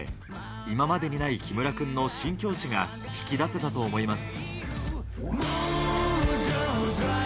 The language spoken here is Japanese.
今までにない木村君の新境地が引き出せたと思います。